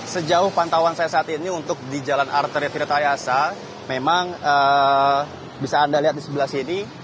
sejauh pantauan saya saat ini untuk di jalan arteri tirtayasa memang bisa anda lihat di sebelah sini